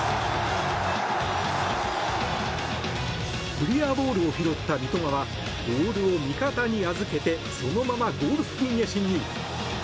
クリアボールを拾った三笘はボールを味方に預けてそのままゴール付近へ侵入。